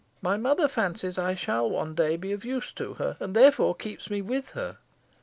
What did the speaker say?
My mother fancies I shall one day be of use to her, and therefore keeps me with her.